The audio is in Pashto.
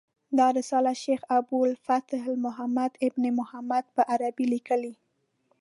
دا رساله شیخ ابو الفتح محمد بن محمد په عربي لیکلې.